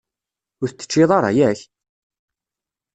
Ur t-teččiḍ ara, yak?